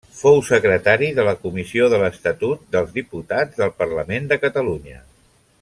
Fou secretari de la Comissió de l'Estatut dels Diputats del Parlament de Catalunya.